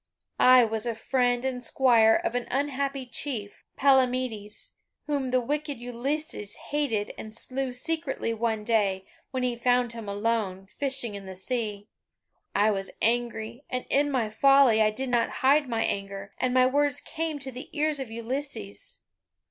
"I was a friend and squire of an unhappy chief, Palamedes, whom the wicked Ulysses hated and slew secretly one day, when he found him alone, fishing in the sea. I was angry, and in my folly I did not hide my anger, and my words came to the ears of Ulysses.